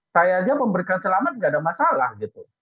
saya aja memberikan selamat gak ada masalah gitu